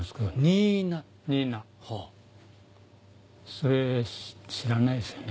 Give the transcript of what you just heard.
それ知らないですよね？